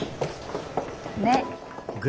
ねっ。